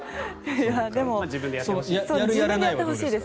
自分でやってほしいです。